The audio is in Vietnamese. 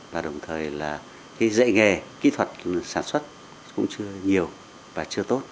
và đồng thời là cái dạy nghề kỹ thuật sản xuất cũng chưa nhiều và chưa tốt